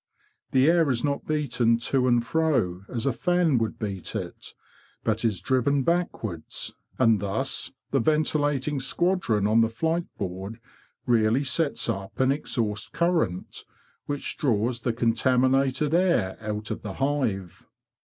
The air is not beaten to and fro, as a fan would beat it, but is driven backwards, and thus the ventilating squadron on the flight board really sets up an exhaust current, which draws the contaminated air out of the hive.